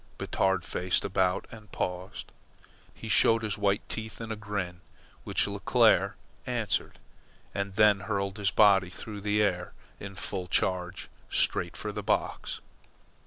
Batard faced about and paused. He showed his white teeth in a grin, which Leclere answered; and then hurled his body through the air, in full charge, straight for the box.